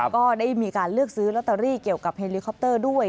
ก็ได้มีการเลือกซื้อลอตเตอรี่เกี่ยวกับเฮลิคอปเตอร์ด้วย